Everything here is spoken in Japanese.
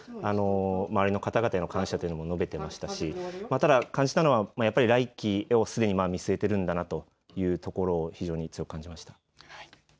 周りの方々への感謝というのも述べていましたしただ感じたのは来期をすでに見据えているんだなというところを非常に強く感じました。